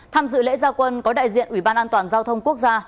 tham dự lễ gia quân có đại diện ủy ban an toàn giao thông quốc gia